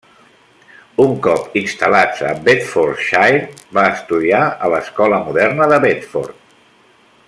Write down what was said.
Un cop instal·lats a Bedfordshire, va estudiar a l'Escola moderna de Bedford.